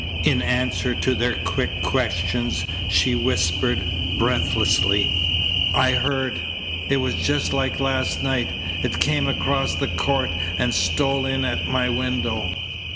In answer to their quick questions she whispered breathlessly: "I heard. It was just like last night. It came across the court and stole in at my window."